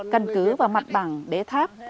cần cứ và mặt bằng đế tháp